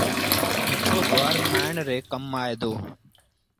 مٺو گُوآر کآڻ ري ڪم آئي دو۔